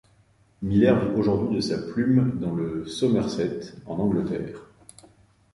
Miller vit aujourd'hui de sa plume dans le Somerset, en Angleterre.